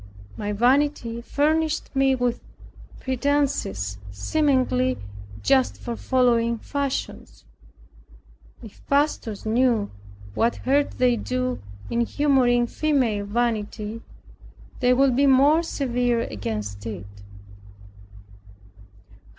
My vanity furnished me with pretences seemingly just for following fashions. If pastors knew what hurt they do in humoring female vanity, they would be more severe against it!